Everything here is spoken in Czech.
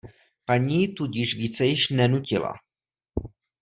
Paní ji tudíž více již nenutila.